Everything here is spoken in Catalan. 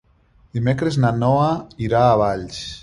Dimecres na Noa irà a Valls.